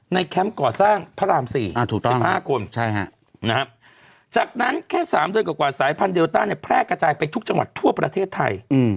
แคมป์ก่อสร้างพระราม๔๑๕คนจากนั้นแค่๓เดือนกว่าสายพันธุเดลต้าเนี่ยแพร่กระจายไปทุกจังหวัดทั่วประเทศไทย